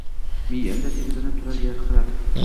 Miyamda tebranib turar yarqirab